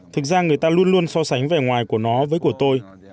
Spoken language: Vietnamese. thực ra người ta luôn luôn so sánh vẻ ngoài của nó với của tôi